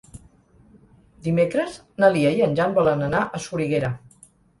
Dimecres na Lia i en Jan volen anar a Soriguera.